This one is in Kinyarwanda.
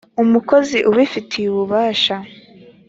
umukozi ubifitiye ububasha